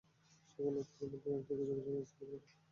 সেখানে তাঁর মাধ্যমে একটা কিছু ঘোষণা আসতে পারে বলে তিনি আশা করছেন।